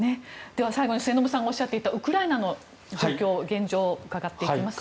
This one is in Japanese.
では、最後に末延さんがおっしゃっていたウクライナの状況、現状をうかがっていきます。